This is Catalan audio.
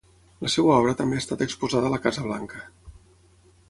La seva obra també ha estat exposada a la Casa Blanca.